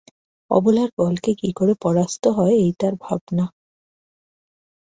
অবলার বলকে কী করে পরাস্ত করতে হয় এই তার ভাবনা।